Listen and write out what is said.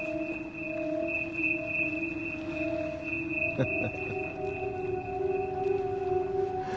フフフ。